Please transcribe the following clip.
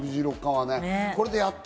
これでやった！